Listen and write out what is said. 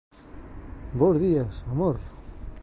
Bos días, amor.